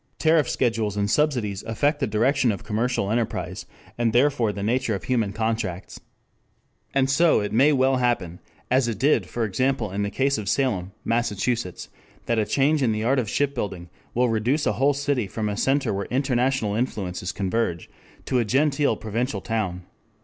Tariff schedules and subsidies affect the direction of commercial enterprise, and therefore the nature of human contracts. And so it may well happen, as it did for example in the case of Salem, Massachusetts, that a change in the art of shipbuilding will reduce a whole city from a center where international influences converge to a genteel provincial town.